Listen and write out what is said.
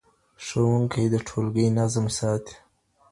ښوونکی د ټولګي نظم ساتي.